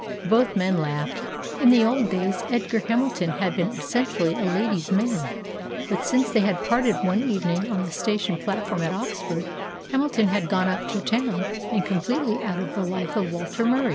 Both men laughed. In the old days, Edgar Hamilton had been essentially a ladies' man; but, since they had parted one evening on the station platform at Oxford, Hamilton had gone up to town and completely out of the life of Walter Murie.